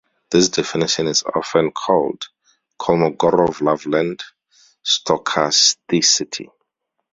This definition is often called "Kolmogorov-Loveland stochasticity".